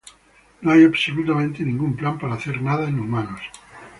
No hay absolutamente ningún plan para hacer nada en humanos".